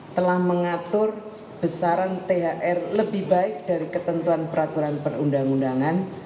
telah mengatur besaran thr lebih baik dari ketentuan peraturan perundang undangan